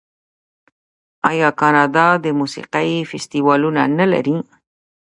آیا کاناډا د موسیقۍ فستیوالونه نلري؟